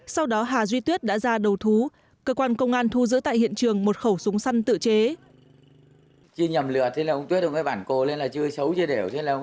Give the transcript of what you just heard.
sau đó hà duy tuyết đã ra đầu thú cơ quan công an thu giữ tại hiện trường một khẩu súng săn tự chế